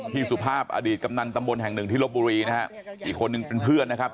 สุภาพอดีตกำนันตำบลแห่งหนึ่งที่ลบบุรีนะฮะอีกคนนึงเป็นเพื่อนนะครับ